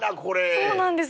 そうなんです。